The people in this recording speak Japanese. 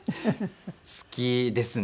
好きですね。